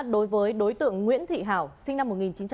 đối với đối tượng nguyễn thị hảo sinh năm một nghìn chín trăm tám mươi